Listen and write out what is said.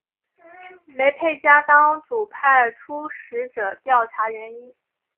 雷沛家当主派出使者调查原因。